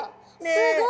すごい。